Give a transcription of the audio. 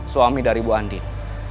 suami dari bu andin